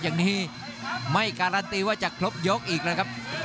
อย่างนี้ไม่การันตีว่าจะครบยกอีกนะครับ